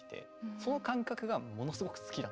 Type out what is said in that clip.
その感覚がものすごく好きだったんですよ。